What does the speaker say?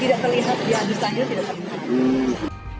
tidak terlihat di hadir saja tidak terlihat